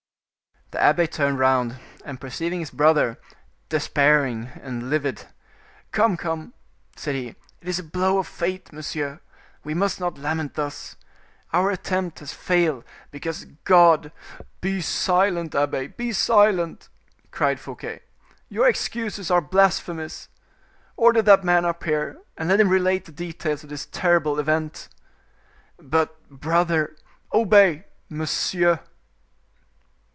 The abbe turned round, and perceiving his brother, despairing and livid, "Come, come," said he, "it is a blow of fate, monsieur; we must not lament thus. Our attempt has failed because God—" "Be silent, abbe! be silent!" cried Fouquet; "your excuses are blasphemies. Order that man up here, and let him relate the details of this terrible event." "But, brother—" "Obey, monsieur!"